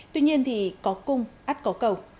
tuy nhiên thì có cung át có cầu